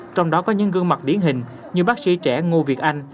trong đó có những gương mặt điển hình như bác sĩ trẻ ngô việt anh